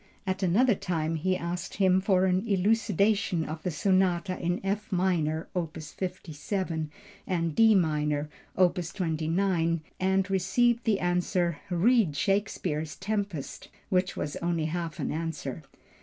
At another time, he asked him for an elucidation of the Sonatas in F minor (opus 57) and D minor (opus 29), and received the answer "read Shakespeare's Tempest," which was only half an answer.